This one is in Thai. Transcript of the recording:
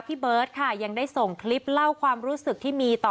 พี่เบิร์ตค่ะยังได้ส่งคลิปเล่าความรู้สึกที่มีต่อ